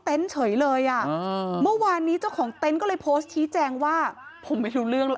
เฉยเลยอ่ะเมื่อวานนี้เจ้าของเต็นต์ก็เลยโพสต์ชี้แจงว่าผมไม่รู้เรื่องแล้ว